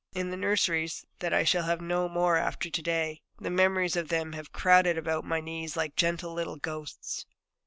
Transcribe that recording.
In the nurseries that I shall have no more after to day, the memories of them have crowded about my knees like gentle little ghosts.